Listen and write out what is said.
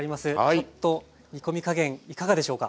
ちょっと煮込み加減いかがでしょうか？